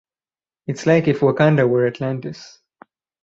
It’s like if Wakanda were Atlantis.